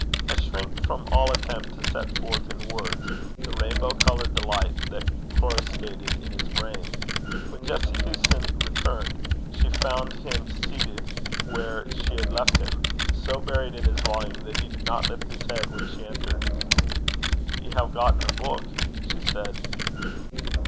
I shrink from all attempt to set forth in words the rainbow coloured delight that coruscated in his brain. When Jessie Hewson returned, she found him seated where she had left him, so buried in his volume that he did not lift his head when she entered. 'Ye hae gotten a buik,' she said.